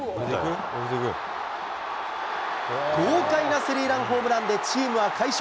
豪快なスリーランホームランでチームは快勝。